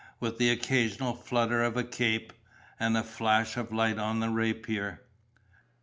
with the occasional flutter of a cape ... and a flash of light on a rapier....